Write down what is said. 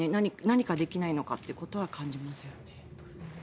何かできないのかということは感じますよね。